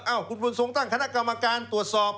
คุณบุญทรงตั้งคณะกรรมการตรวจสอบ